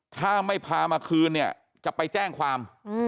ถ้าไม่พามาคืนเนี่ยจะไปแจ้งความ